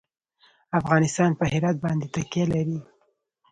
افغانستان په هرات باندې تکیه لري.